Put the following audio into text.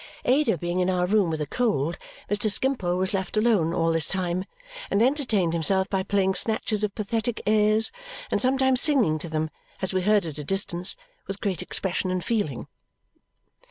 Ada being in our room with a cold, Mr. Skimpole was left alone all this time and entertained himself by playing snatches of pathetic airs and sometimes singing to them (as we heard at a distance) with great expression and feeling.